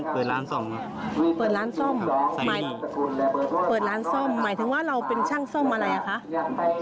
เปิดร้านซ่อมหมายถึงว่าเราเป็นช่างซ่อมอะไรครับ